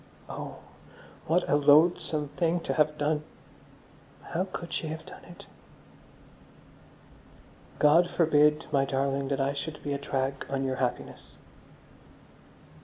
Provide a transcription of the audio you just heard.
Oh, what a loathsome thing to have done. How could she have done it! _God forbid, my darling, that I should be a drag on your happiness.